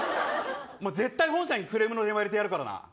絶対、本社にクレームの電話入れてやるからな。